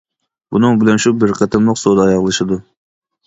بۇنىڭ بىلەن شۇ بىر قېتىملىق سودا ئاياغلىشىدۇ.